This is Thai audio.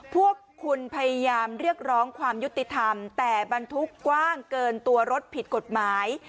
พวกคุณพยายามเรียกร้องความยุติธรรมแต่บรรทุกกว้างเกินตัวรถผิดกฎหมาย